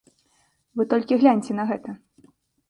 Вы толькі гляньце на гэта!